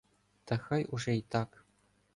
— Та хай уже й так.